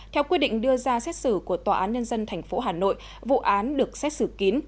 theo quy định đưa ra xét xử của tòa án nhân dân thành phố hà nội vụ án được xét xử kín